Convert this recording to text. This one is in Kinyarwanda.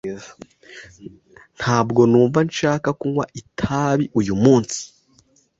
Ntabwo numva nshaka kunywa itabi uyu munsi.